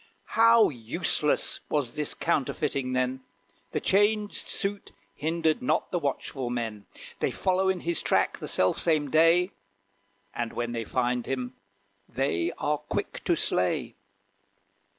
How useless was this counterfeiting then! The changed suit hindered not the watchful men. They follow in his track the self same day, And when they find him, they are quick to slay.